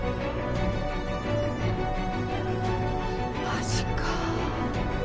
マジか。